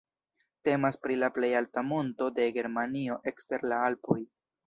Temas pri la plej alta monto de Germanio ekster la Alpoj.